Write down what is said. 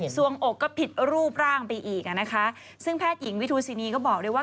่วงอกก็ผิดรูปร่างไปอีกอ่ะนะคะซึ่งแพทย์หญิงวิทูซินีก็บอกเลยว่า